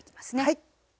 はい。